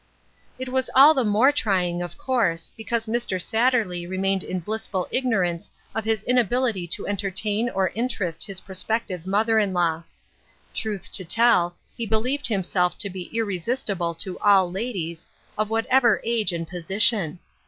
It was all the more trying, of course, because Mr. Satterley remained in blissful ignorance of his inability to entertain or interest his prospective mother in law. Truth to tell, he believed himself to be irresistible to all ladies, of whatever age and position.